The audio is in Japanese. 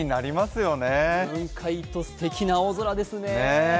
雲海とすてきな青空ですよね。